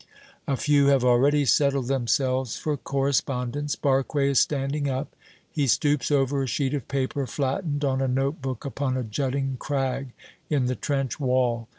A few have already settled themselves for correspondence. Barque is standing up. He stoops over a sheet of paper flattened on a note book upon a jutting crag in the trench wall.